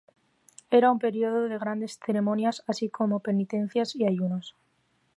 Era un periodo de grandes ceremonias, así como penitencias y ayunos.